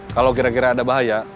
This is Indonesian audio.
kalau kira kira ada bahaya